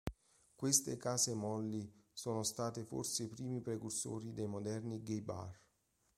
Queste Case Molly sono state forse i primi precursori dei moderni gay bar.